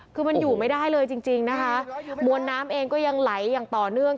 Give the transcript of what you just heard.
คือมันอยู่ไม่ได้เลยจริงจริงนะคะมวลน้ำเองก็ยังไหลอย่างต่อเนื่อง